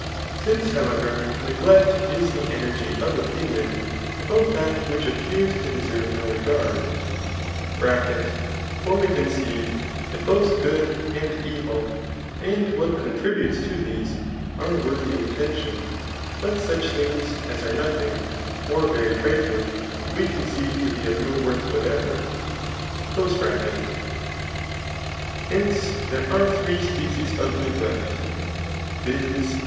Since, however, neglect is the energy of opinion about that which appears to deserve no r^ajrd ; (for we coo* ceive that both good and evil, and what contributes to these are worthy of attention, but such things as are no thing, or very trifling, we conceive to be of no worth whatever)— hence, there are three species of neglect, viz.